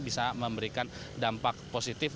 bisa memberikan dampak positif